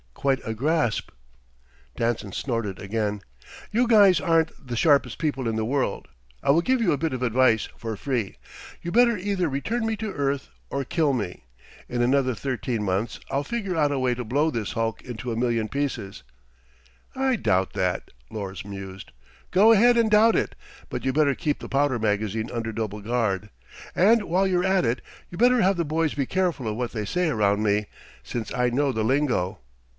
Quite a grasp." Danson snorted again. "You guys aren't the sharpest people in the world. I will give you a bit of advice, for free. You better either return me to earth, or kill me. In another thirteen months, I'll figure out a way to blow this hulk into a million pieces." "I doubt that," Lors mused. "Go ahead and doubt it, but you'd better keep the powder magazine under double guard. And while you're at it, you better have the boys be careful of what they say around me, since I know the lingo."